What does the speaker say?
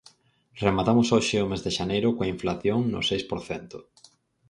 Rematamos hoxe o mes de xaneiro coa inflación no seis por cento.